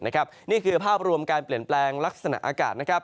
นี่คือภาพรวมการเปลี่ยนแปลงลักษณะอากาศนะครับ